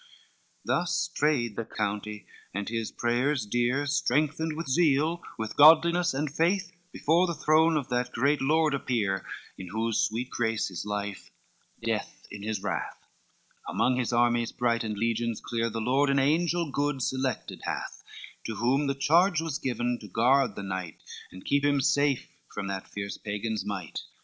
LXXIX Thus prayed the County, and his prayers dear Strengthened with zeal, with godliness and faith, Before the throne of that great Lord appear, In whose sweet grace is life, death in his wrath, Among his armies bright and legions clear, The Lord an angel good selected hath, To whom the charge was given to guard the knight, And keep him safe from that fierce Pagan's might.